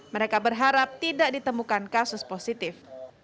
mereka berharap tidak ditemukan kasus positif